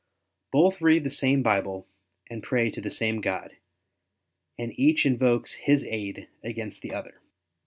Both read the same Bible and pray to the same God, and each invokes his aid against the other.